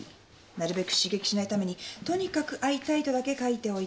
なるべく刺激しないために「とにかく会いたい」とだけ書いておいた。